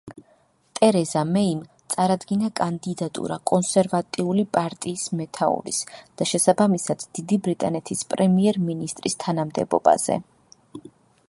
ტერეზა მეიმ წარადგინა კანდიდატურა კონსერვატიული პარტიის მეთაურის და შესაბამისად დიდი ბრიტანეთის პრემიერ-მინისტრის თანამდებობაზე.